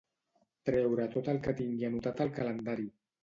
Treure tot el que tingui anotat al calendari.